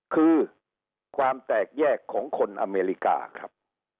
คือความแตกแยกของคนอเมริกาครับ